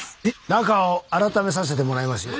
中を検めさせてもらいますよ。